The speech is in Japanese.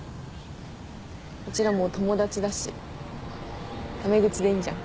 うちらもう友達だしタメ口でいいじゃん。